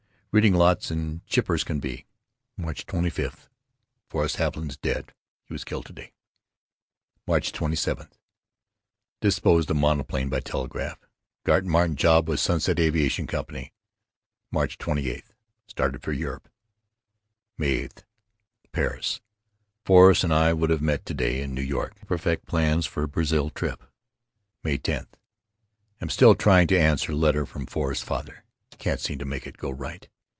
Reading lots and chipper as can be. March 25: Forrest Haviland is dead He was killed to day. March 27: Disposed of monoplane by telegraph. Got Martin job with Sunset Aviation Company. March 28: Started for Europe. May 8, Paris: Forrest and I would have met to day in New York to perfect plans for Brazil trip. May 10: Am still trying to answer letter from Forrest's father. Can't seem to make it go right.